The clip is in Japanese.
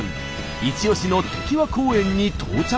イチオシのときわ公園に到着。